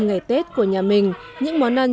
ngày tết của nhà mình những món ăn